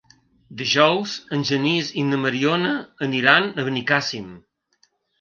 Dijous en Genís i na Mariona aniran a Benicàssim.